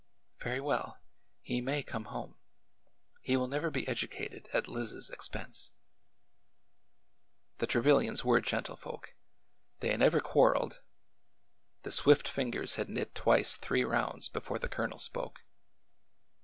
Very well. He may come home. He will never be < educated at Liz's expense." The Trevilians were gentlefolk. They never quarreled. The swift fingers had knit twice three rounds before the Colonel spoke.